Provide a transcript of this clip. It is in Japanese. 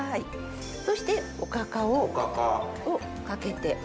そしておかかをかけて。